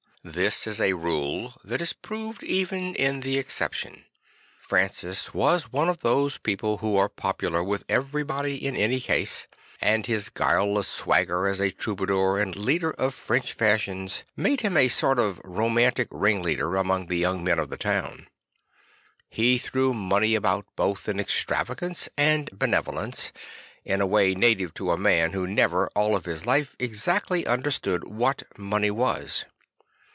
This is a rule that is proved even in the exception. Francis was one of those people who are popular \"ith everybody in any case; and his guileless swagger as a Troubadour and leader of French 4 2 St. Francis of Assisi fashions made him a sort of romantic ringleader among the young men of the town. He threw money about both in extravagance and bene volence, in a way native to a man who never, all his life, exactly understood what money was.